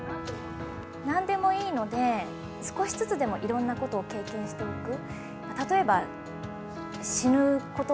なんでもいいので、少しずつでもいろんなことを経験しておく。